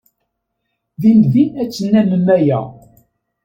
Dindin ad tennammem aya.